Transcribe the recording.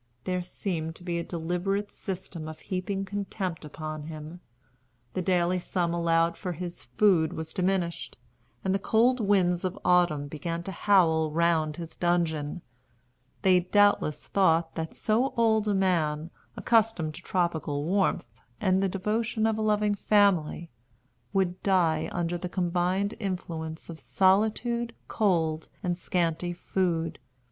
There seemed to be a deliberate system of heaping contempt upon him. The daily sum allowed for his food was diminished, and the cold winds of autumn began to howl round his dungeon. They doubtless thought that so old a man, accustomed to tropical warmth, and the devotion of a loving family, would die under the combined influence of solitude, cold, and scanty food.